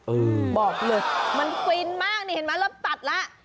เออบอกเลยมันฟินมากนิเห็นมั้ยแล้วตัดละ